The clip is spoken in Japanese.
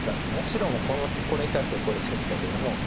白もこれに対するこれでしたけども。